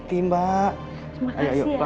terima kasih ya